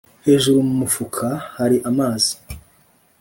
hejuru mu mfuruka hari amazi